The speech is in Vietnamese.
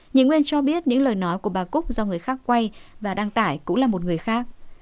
những nguyên cho biết những lời nói của bà cúc do người khác quay và đăng tải cũng là một người khác